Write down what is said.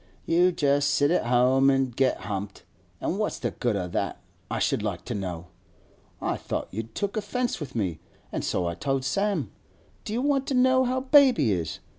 You just sit at 'ome an' get humped, an' what's the good o' that, I should like to know? I thought you'd took offence with me, an' so I told Sam. Do you want to know how baby is?